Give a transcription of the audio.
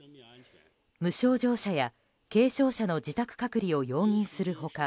無症状者や軽症者の自宅隔離を容認する他